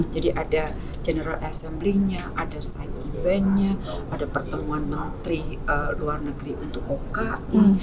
jadi ada general assembly nya ada side event nya ada pertemuan menteri luar negeri untuk oki